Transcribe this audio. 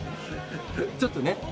ちょっとね。